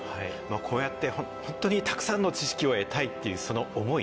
こうやってホントにたくさんの知識を得たいっていうその思い。